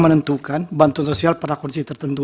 menentukan bantuan sosial pada kondisi tertentu